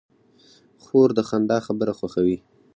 خور د خندا خبره خوښوي.